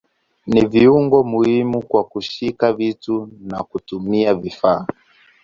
Ni viungo muhimu kwa kushika vitu na kutumia vifaa.